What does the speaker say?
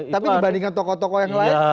tapi dibandingkan dengan yang lain